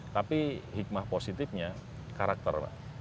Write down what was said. tapi hikmah positifnya karakter